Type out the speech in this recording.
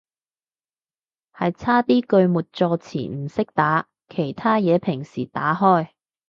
係差啲句末助詞唔識打，其他嘢平時打開